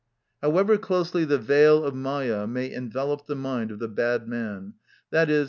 However closely the veil of Mâyâ may envelop the mind of the bad man, _i.e.